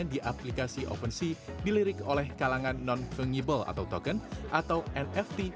di aplikasi opensea dilirik oleh kalangan non fengable atau token atau nft